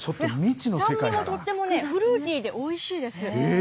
酸味がとってもフルーティーでおいしいですよ。